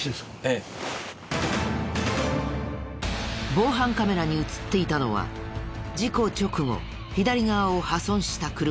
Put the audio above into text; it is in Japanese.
防犯カメラに映っていたのは事故直後左側を破損した車。